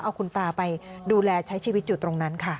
เอาคุณตาไปดูแลใช้ชีวิตอยู่ตรงนั้นค่ะ